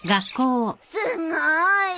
すごい！